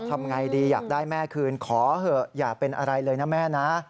ทำไงดีอยากได้แม่คืนขอเถอะอย่าเป็นอะไรเลยนะแม่นะ